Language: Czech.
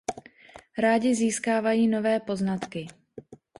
Rádi získávají nové poznatky.